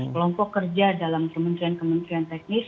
kelompok kerja dalam kementerian kementerian teknis